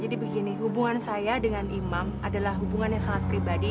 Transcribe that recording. jadi begini hubungan saya dengan imam adalah hubungan yang sangat pribadi